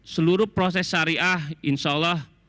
seluruh proses syariah insyaallah